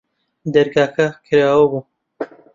دەرگاکە کراوە بوو.